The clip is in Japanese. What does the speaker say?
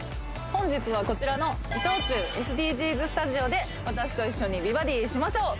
本日はこちらのＩＴＯＣＨＵＳＤＧｓＳＴＵＤＩＯで私と一緒に美バディしましょう！